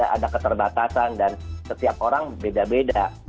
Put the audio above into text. ada keterbatasan dan setiap orang beda beda